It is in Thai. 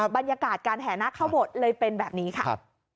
บรรยากาศการแห่หน้าเข้าบทเลยเป็นแบบนี้ค่ะ